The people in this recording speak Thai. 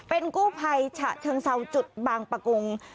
เป็นกู้ภัยฉะเชิงเซาจุดบางประกง